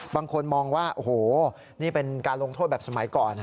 บางคนมองว่าโอ้โหนี่เป็นการลงโทษแบบสมัยก่อน